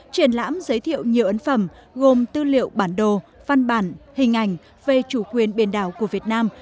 triển lãm giới thiệu nhiều ấn phẩm gồm tư liệu bản đồ văn bản hình ảnh về chủ quyền biển đảo của việt nam